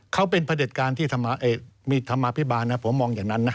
เขาเป็นพระเด็จการที่มีธรรมาภิบาลนะผมมองอย่างนั้นนะ